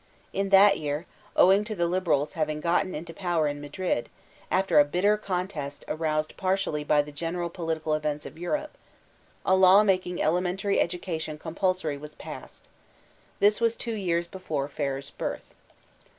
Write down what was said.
In that year, owing to the liberals having gotten into power in Madrid, after a bitter contest aroused partially by the general political events of Europe, a law making elementary edu cation compulsory was passed* This was two years be* fore Ferrer's birth.